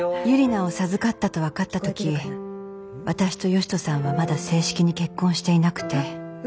ユリナを授かったと分かった時私と善人さんはまだ正式に結婚していなくて。